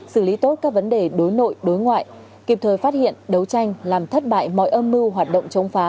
xử lý tốt các vấn đề đối nội đối ngoại kịp thời phát hiện đấu tranh làm thất bại mọi âm mưu hoạt động chống phá